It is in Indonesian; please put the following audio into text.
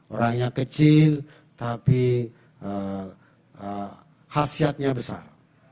orangnya kecil tapi khasiatnya besar